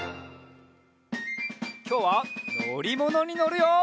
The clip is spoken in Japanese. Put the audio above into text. きょうはのりものにのるよ！